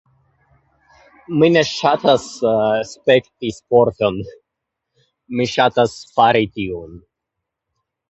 Mi ne ŝatas spekti sporton. Mi ŝatas fari tion.